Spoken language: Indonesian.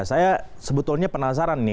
saya sebetulnya penasaran nih